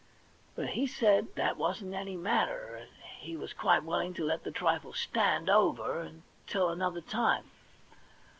But he said that wasn't any matter; he was quite willing to let the trifle stand over till another time.